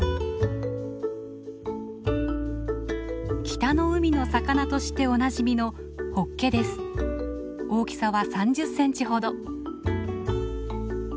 北の海の魚としておなじみの大きさは３０センチほど。